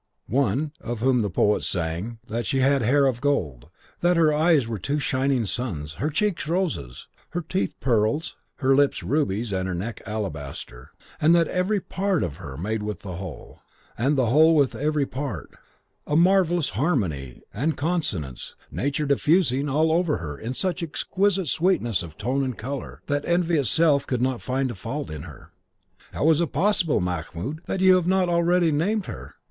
One, of whom the poets sang that she had hair of gold, that her eyes were two shining suns, her cheeks roses, her teeth pearls, her lips rubies, her neck alabaster; and that every part of her made with the whole, and the whole with every part, a marvellous harmony and consonance, nature diffusing all over her such an exquisite sweetness of tone and colour, that envy itself could not find a fault in her. How is it possible, Mahmoud, that you have not already named her?